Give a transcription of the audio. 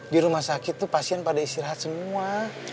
di rumah sakit itu pasien pada istirahat semua